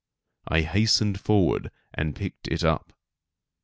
I hastened forward and picked it up.